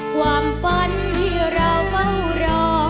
ความฝันที่เราเฝ้ารอ